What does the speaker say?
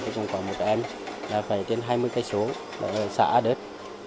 thì còn có một em là phải tiên hai mươi km ở xã đất